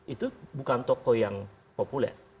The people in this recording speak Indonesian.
itu bukan tokoh yang populer